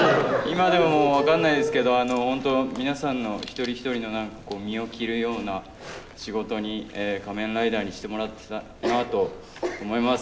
本当皆さんの一人一人の身を切るような仕事に仮面ライダーにしてもらってたなと思います。